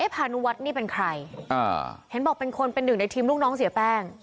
พานุวัฒน์นี่เป็นใครเห็นบอกเป็นคนเป็นหนึ่งในทีมลูกน้องเสียแป้ง